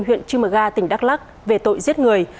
huyện chimaga tỉnh đắk lắc về tội giết người